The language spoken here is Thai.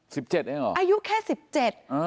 สิบเจ็ดเองเหรออายุแค่สิบเจ็ดอ่า